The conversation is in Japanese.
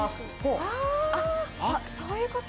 あっそういう事？